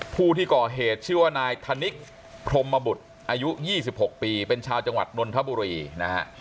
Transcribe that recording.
ผู้ที่ก่อเหตุชื่อว่านายธนิกพรมบุตรอายุ๒๖ปีเป็นชาวจังหวัดนนทบุรีนะฮะ